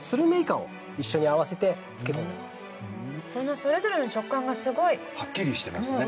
それぞれの食感がすごい。はっきりしてますね。